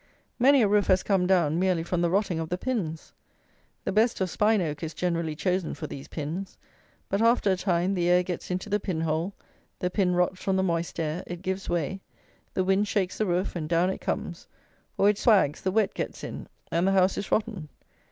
Many a roof has come down merely from the rotting of the pins. The best of spine oak is generally chosen for these pins. But after a time, the air gets into the pin hole. The pin rots from the moist air, it gives way, the wind shakes the roof, and down it comes, or it swags, the wet gets in, and the house is rotten.